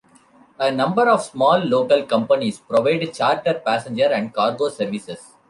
A number of small local companies provide charter passenger and cargo services.